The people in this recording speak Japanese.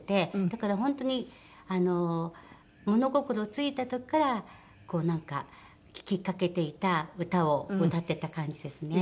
だから本当に物心ついた時からこうなんか聴きかけていた歌を歌ってた感じですね。